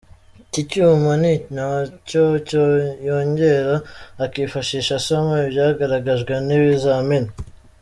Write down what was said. Iki cyuma ni nacyo yongera akifashisha asoma ibyagaragajwe n’ibizamini.